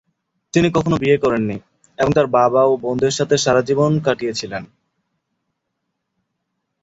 তিনি কখনও বিয়ে করেন নি এবং তাঁর বাবা ও বোনদের সাথে সারাজীবন জীবন কাটিয়েছিলেন।